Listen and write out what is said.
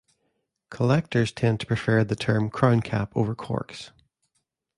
Collectors tend to prefer the term crown cap over corks.